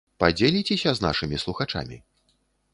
Падзеліцеся з нашымі слухачамі?